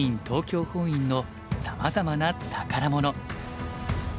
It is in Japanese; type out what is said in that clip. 東京本院のさまざまな宝物。